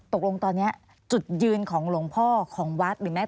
ตกลงตอนนี้จุดยืนของหลวงพ่อของวัดหรือแม้